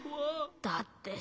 ☎だってさ。